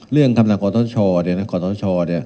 เรื่องทำงานกรทธชเนี่ย